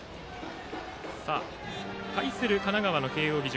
対する神奈川の慶応義塾。